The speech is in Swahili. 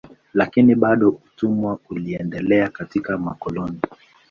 Lakini bado utumwa uliendelea katika makoloni.